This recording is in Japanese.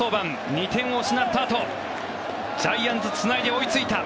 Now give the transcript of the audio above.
２点を失ったあとジャイアンツつないで追いついた。